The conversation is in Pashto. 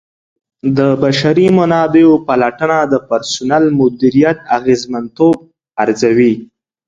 د بشري منابعو پلټنه د پرسونل مدیریت اغیزمنتوب ارزوي.